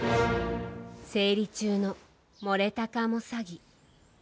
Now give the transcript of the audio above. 生理中の漏れたかも詐欺。